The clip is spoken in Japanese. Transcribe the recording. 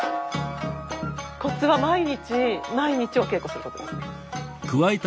コツは毎日毎日お稽古することですね。はすげえ。